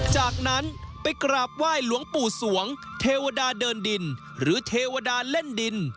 จากนั้นไปกราบไหว้หลวงปู่สวงเทวดาเดินดินหรือเทวดาเล่นดิน